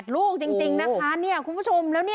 ๘ลูกจริงนะคะคุณผู้ชม